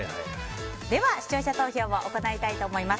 では視聴者投票を行いたいと思います。